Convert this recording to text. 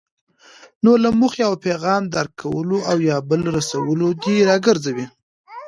نو له موخې او پیغام درک کولو او یا بل ته رسولو دې راګرځوي.